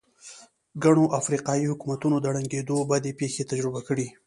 ګڼو افریقايي حکومتونو د ړنګېدو بدې پېښې تجربه کړې.